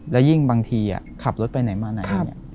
แล้วยิ่งบางทีขับรถไปไหนมาไหน